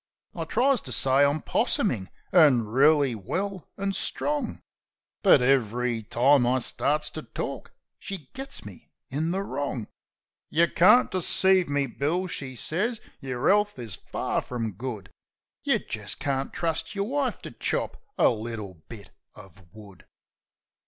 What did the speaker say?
I tries to say I'm possumin', an' reely well an' strong; But ev'ry time I starts to tork she's got me in the wrong. "Yeh can't deceive me, Bill," she sez. "Yer 'ealth is fur frum good. Yeh jist can't trust yer wife to chop a little bit uv wood!